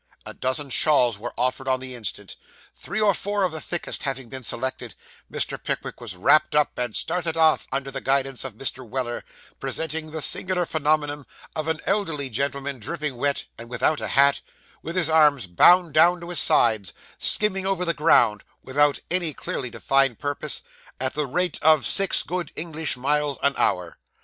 A dozen shawls were offered on the instant. Three or four of the thickest having been selected, Mr. Pickwick was wrapped up, and started off, under the guidance of Mr. Weller; presenting the singular phenomenon of an elderly gentleman, dripping wet, and without a hat, with his arms bound down to his sides, skimming over the ground, without any clearly defined purpose, at the rate of six good English miles an hour.